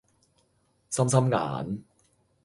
心心眼